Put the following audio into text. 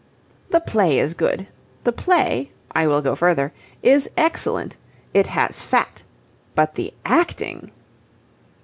"The play is good. The play I will go further is excellent. It has fat. But the acting..."